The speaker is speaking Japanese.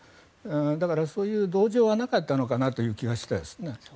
だからそういう同情はなかったのかなという気はしました。